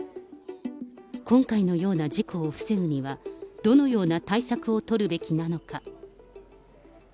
今回のような事故を防ぐには、どのような対策を取るべきなのか。